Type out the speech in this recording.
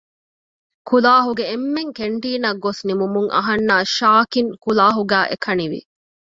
ކުލާހުގެ އެންމެން ކެންޓީނަށް ގޮސް ނިމުމުން އަހަންނާ ޝާކިން ކުލާހުގައި އެކަނިވި